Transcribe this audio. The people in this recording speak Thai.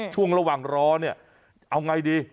ช่วงระหว่างรอเนี่ยเอาไงดี